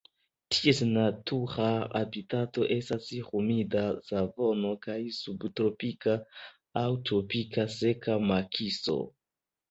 Ties natura habitato estas humida savano kaj subtropika aŭ tropika seka makiso.